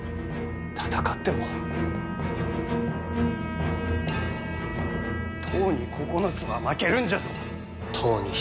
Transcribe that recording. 戦っても十に九つは負けるんじゃぞ。